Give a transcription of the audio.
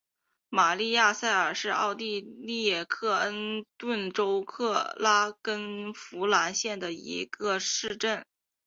玛丽亚萨尔是奥地利克恩顿州克拉根福兰县的一个市镇。